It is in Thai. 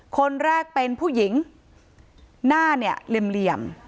คนแรกเป็นผู้หญิงหน้าเนี่ยเหลี่ยม